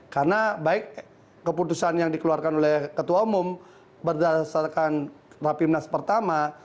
karena baik keputusan yang dikeluarkan oleh ketua umum berdasarkan rapimnas pertama